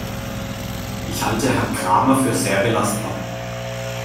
Ich halte Herrn Kramer für sehr belastbar.